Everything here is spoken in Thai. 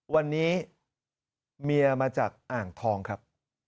วันนี้เมียมาจากอ่างทองครับ